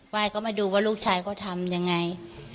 ไหว้เขามาดูว่าลูกชายเขาทำอย่างไร